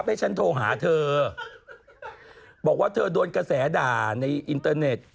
พี่ถุกกี้เขามา